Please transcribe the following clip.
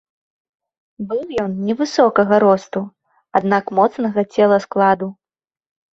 Быў ён невысокага росту, аднак моцнага целаскладу.